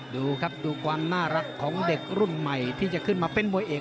ดูครับดูความน่ารักของเด็กรุ่นใหม่ที่จะขึ้นมาเป็นมวยเอก